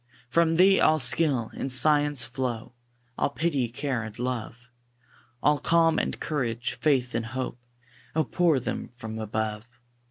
From Thee all skill and science flow; All pity, care, and love, All calm and courage, faith and hope, Oh! pour them from above.